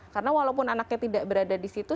karena walaupun anaknya tidak berada di situ